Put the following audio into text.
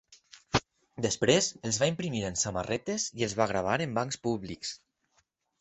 Després, els va imprimir en samarretes i els va gravar en bancs públics.